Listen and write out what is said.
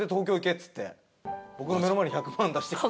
っつって僕の目の前に１００万出してきて。